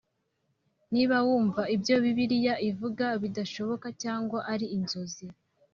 Niba wumva ibyo Bibiliya ivuga bidashoboka cyangwa ari inzozi